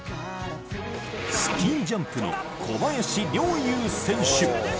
スキージャンプの小林陵侑選手。